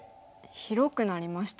広くなりましたね。